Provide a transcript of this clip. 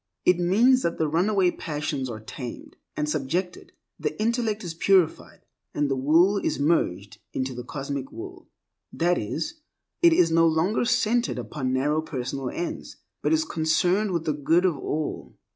It means that the runaway passions are tamed and subjected, the intellect is purified, and the will is merged into the Cosmic Will. That is, it is no longer centered upon narrow personal ends, but is concerned with the good of all.